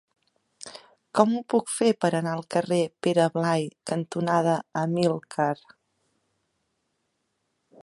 Com ho puc fer per anar al carrer Pere Blai cantonada Amílcar?